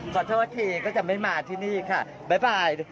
ขอโทษทีก็จะไม่มาที่นี่ค่ะบ๊ายบาย